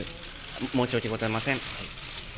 申し訳ございません。